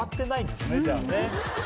じゃあね。